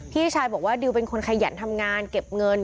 พี่ชายบอกว่าดิวเป็นคนขยันทำงานเก็บเงิน